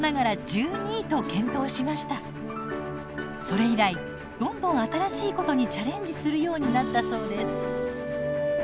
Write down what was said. それ以来どんどん新しいことにチャレンジするようになったそうです。